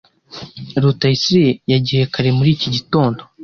Rutayisire yagiye kare muri iki gitondo.